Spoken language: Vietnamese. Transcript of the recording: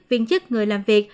viên chức người làm việc